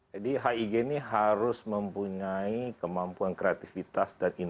jadi hig ini harus mempunyai kemampuan kreativitas dan jaringan